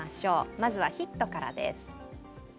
まずはヒットからです。